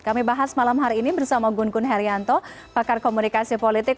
kami bahas malam hari ini bersama gunkun haryanto pakar komunikasi politik